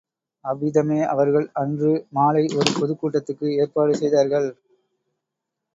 அவ்விதமே அவர்கள் அன்று மாலை ஒரு பொதுக் கூட்டத்துக்கு ஏற்பாடு செய்தார்கள்.